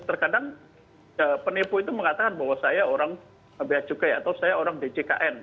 terkadang penipu itu mengatakan bahwa saya orang beacukai atau saya orang djkn